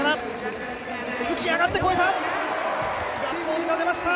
浮き上がって、越えた。